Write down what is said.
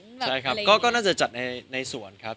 ใช่ครับก็น่าจะจัดในสวนครับ